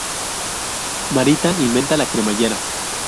Marita inventa la cremallera.